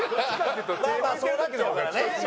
まあまあそうなっちゃうからね。